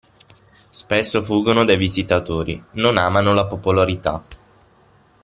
Spesso fuggono dai visitatori non amano la popolarità.